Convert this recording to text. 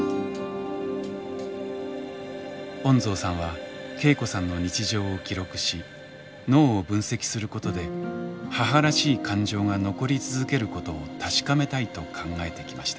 恩蔵さんは恵子さんの日常を記録し脳を分析することで母らしい感情が残り続けることを確かめたいと考えてきました。